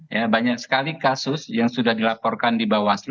ya banyak sekali kasus yang sudah dilaporkan di bawaslu